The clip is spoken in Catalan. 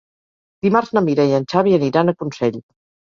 Dimarts na Mira i en Xavi aniran a Consell.